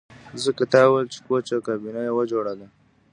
ځکه تا ویل چې کوچ او کابینه یوه جوړه ده